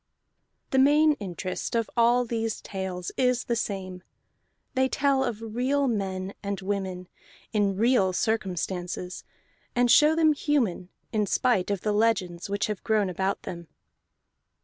The main interest of all these tales is the same: they tell of real men and women in real circumstances, and show them human in spite of the legends which have grown about them.